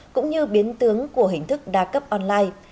cũng như biến tướng của hình thức đa cấp online